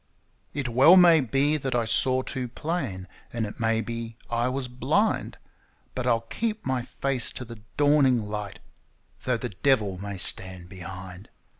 It well may be that I saw too plain, and it may be I was blind; But I'll keep my face to the dawning light, though the devil may stand behind!